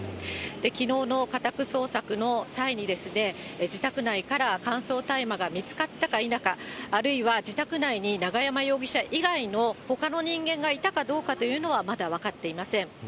きのうの家宅捜索の際に、自宅内から乾燥大麻が見つかったか否か、あるいは自宅内に永山容疑者以外のほかの人間がいたかどうかというのはまだ分かっていません。